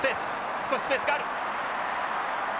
少しスペースがある。